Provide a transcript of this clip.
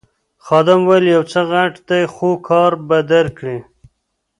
خادم وویل یو څه غټ دی خو کار به درکړي.